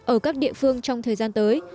ở các địa phương trong thời gian tới